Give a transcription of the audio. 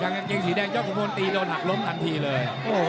ถ้าก็เงินเย็งสีแดดบังคู่ย่อของขุมพลตีโดนหักล้มทันทีเลย